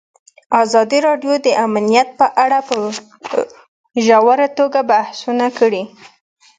ازادي راډیو د امنیت په اړه په ژوره توګه بحثونه کړي.